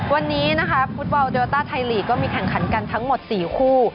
วันนี้นะคะฟุตบอลโยต้าไทยลีกก็มีแข่งขันกันทั้งหมด๔คู่